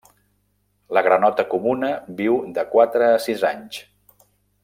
La granota comuna viu de quatre a sis anys.